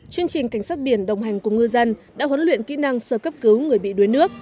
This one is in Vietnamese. chương trình cảnh sát biển đồng hành cùng ngư dân đã huấn luyện kỹ năng sơ cấp cứu người bị đuối nước